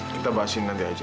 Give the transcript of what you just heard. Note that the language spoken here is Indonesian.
kita bahas ini nanti aja